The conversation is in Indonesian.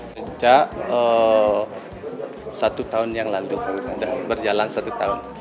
sejak satu tahun yang lalu berjalan satu tahun